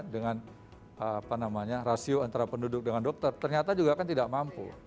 dengan rasio antara penduduk dengan dokter ternyata juga kan tidak mampu